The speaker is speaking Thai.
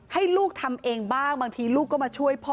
ให้ลูกทำเองบ้างบางทีลูกก็มาช่วยพ่อ